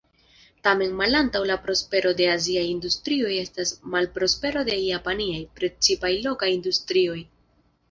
Tamen malantaŭ la prospero de aziaj industrioj estas malprospero de japanaj, precipe lokaj industrioj.